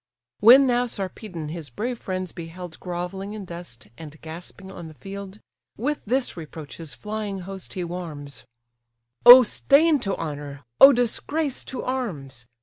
When now Sarpedon his brave friends beheld Grovelling in dust, and gasping on the field, With this reproach his flying host he warms: "Oh stain to honour! oh disgrace to arms!